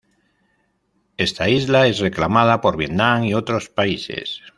Esta isla es reclamada por Vietnam y otros países.